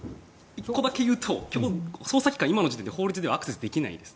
１個だけ言うと捜査機関は今の法律ではアクセスできないです。